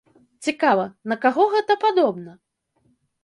Цікава, на каго гэта падобна?